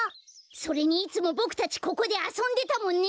それにいつもボクたちここであそんでたもんね！